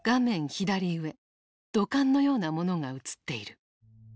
左上土管のようなものが映っている。